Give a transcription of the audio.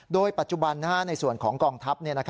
โดยปัจจุบันในส่วนของกองทัพ